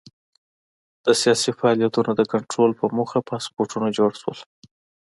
د سیاسي فعالیتونو د کنټرول په موخه پاسپورټونه جوړ شول.